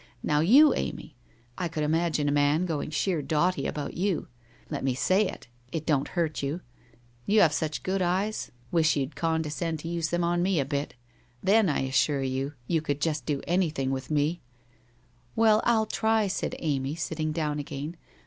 Now you, Amy, \ could imagine a man going sheer dotty about you ! Let mo say it I It don't hurt you. You have such good eyes — wish you'd condescend to use 106 WHITE ROSE OF WEARY LEAF them on me a bit! Then, I assure you, you could just do anything with me.' ' Well, I'll try/ said Amy, sitting down again.